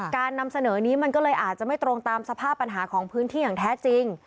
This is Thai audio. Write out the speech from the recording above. การนำเสนอนี้มันก็เลยอาจจะไม่ตรงตามสภาพปัญหาของพื้นที่อย่างแท้จริง